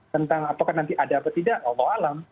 tentang apakah nanti ada apa tidak allah alam